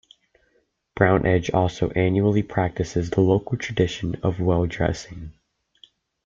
Brown Edge also annually practices the local tradition of well dressing.